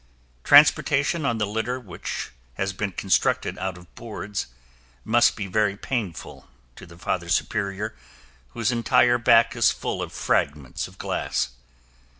Transportation on the litter, which has been constructed out of boards, must be very painful to the Father Superior, whose entire back is full of fragments of glass.